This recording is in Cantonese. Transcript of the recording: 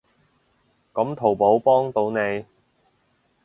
噉淘寶幫到你